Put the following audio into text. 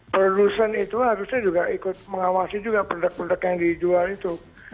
produsen itu harusnya juga ikut mengawasi juga produk produk yang dijual itu